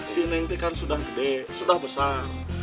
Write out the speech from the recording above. si neng t kan sudah gede sudah besar